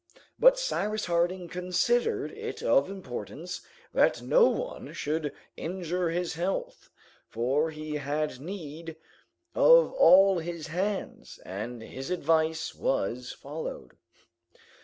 But Cyrus Harding considered it of importance that no one should injure his health, for he had need of all his hands, and his advice was followed.